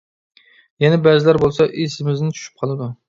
يەنە بەزىلەر بولسا ئىسىمىزدىن چۈشۈپ قالىدۇ.